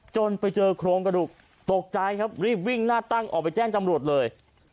จนไปเจอโครงกระดูกตกใจครับรีบวิ่งหน้าตั้งออกไปแจ้งจำรวจเลย